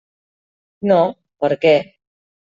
No, per què?